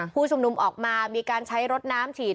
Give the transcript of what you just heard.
ผู้ชุมนุมออกมามีการใช้รถน้ำฉีด